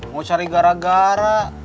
mau cari gara gara